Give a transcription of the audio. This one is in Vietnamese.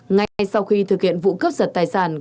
ngay sau khi thực hiện vụ cướp giật tài sản